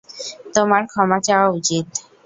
তোমার ক্ষমা চাওয়া উচিত!